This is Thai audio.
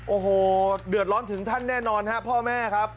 โอ้โหเดือดร้อนถึงท่านแน่นอนครับพ่อแม่ครับ